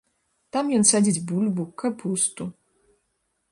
Там ён садзіць бульбу, капусту.